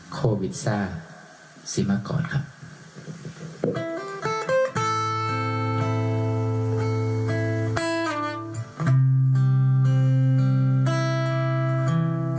โควิดซ่าสิมากรครับ